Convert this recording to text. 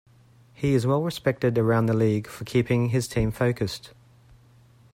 He is well respected around the league for keeping his team focused.